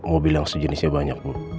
tapi mobilnya masih jenisnya banyak bu